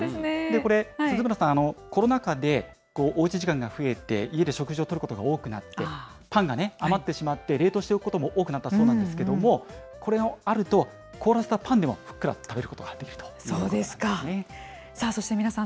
これ、鈴村さん、コロナ禍でおうち時間が増えて、家で食事をとることが多くなって、パンがね、余ってしまって、冷凍しておくことも多くなったそうなんですけれども、これがあると、凍らせたパンでもふっくら食べることができるということなんですそうですか。